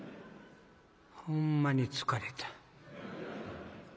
ほんまに疲れた。